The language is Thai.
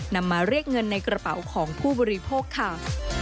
มาเรียกเงินในกระเป๋าของผู้บริโภคค่ะ